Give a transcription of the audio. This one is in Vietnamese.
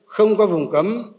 không có vùng cấm